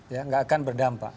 ya nggak akan berdampak